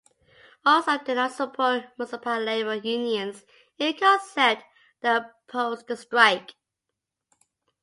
Awsumb did not support municipal labor unions in concept and opposed the strike.